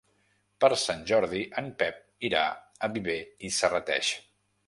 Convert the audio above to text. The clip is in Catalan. Per Sant Jordi en Pep irà a Viver i Serrateix.